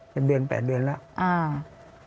เป็นเดือน๘เดือนแล้ว